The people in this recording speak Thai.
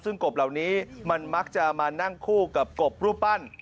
ซึ่งกบเหล่านี้มันมักจะมานั่งคู่กับกบรูปปั้น